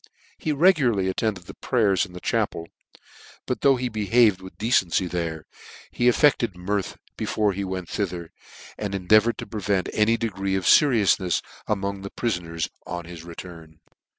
He regularly attended the prayers in the cha pel, but though he behaved with decency there, he affected mirth before he went thither, and en deavoured to prevent any degree of feriouinefs among the other prifoners on their return.